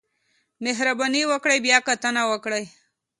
مهرباني وکړئ بیاکتنه وکړئ